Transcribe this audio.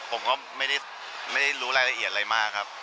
ผมก็ไม่ได้รู้รายละเอียดอะไรมากครับ